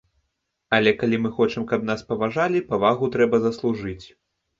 Але калі мы хочам, каб нас паважалі, павагу трэба заслужыць.